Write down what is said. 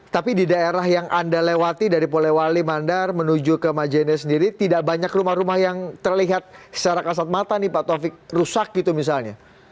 tapi di daerah yang anda lewati dari polewali mandar menuju ke majene sendiri tidak banyak rumah rumah yang terlihat secara kasat mata nih pak taufik rusak gitu misalnya